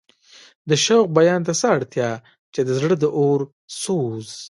د شوق بیان ته څه اړتیا چې د زړه د اور سوز.